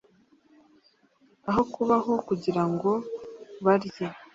aho kubaho kugira ngo barye